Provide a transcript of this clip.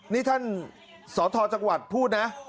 นี่ท่านสธจังหวัดพูดนะ